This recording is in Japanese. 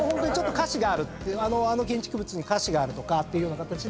あの建築物に瑕疵があるとかっていうような形で。